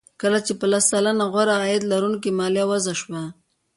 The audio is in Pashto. کله چې په لس سلنه غوره عاید لرونکو مالیه وضع شوه